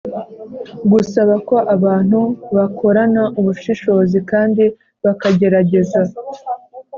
gusaba ko abantu bakorana ubushishozi kandi bakagerageza